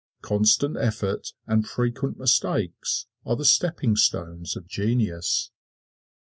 Constant effort and frequent mistakes are the stepping stones of genius.